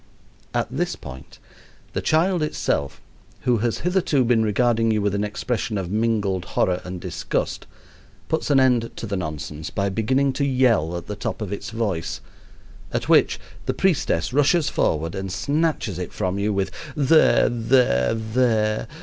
At this point the child itself, who has hitherto been regarding you with an expression of mingled horror and disgust, puts an end to the nonsense by beginning to yell at the top of its voice, at which the priestess rushes forward and snatches it from you with "There! there! there!